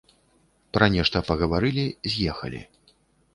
Пра нешта пагаварылі, з'ехалі.